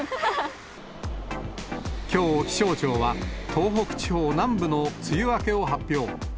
きょう、気象庁は東北地方南部の梅雨明けを発表。